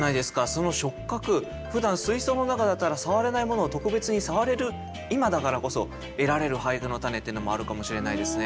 その触覚ふだん水槽の中だったら触れないものを特別に触れる今だからこそ得られる俳句の種ってのもあるかもしれないですね。